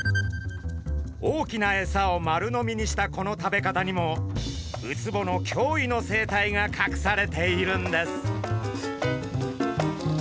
大きなエサを丸飲みにしたこの食べ方にもウツボの驚異の生態がかくされているんです。